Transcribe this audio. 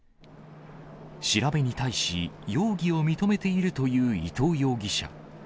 調べに対し容疑を認めているという伊藤容疑者。